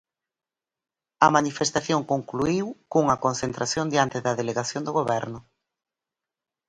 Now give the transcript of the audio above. A manifestación concluíu cunha concentración diante da Delegación do Goberno.